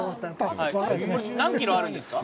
何キロあるんですか？